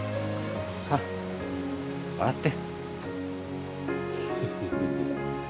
さあ笑って。